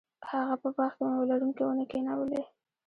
هغه په باغ کې میوه لرونکې ونې کینولې.